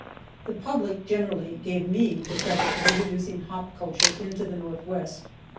The public, generally, gave me the credit of introducing hop culture into the Northwest.